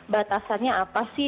batasannya apa sih